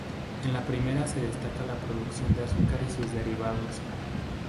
En la primera se destaca la producción de azúcar y sus derivados.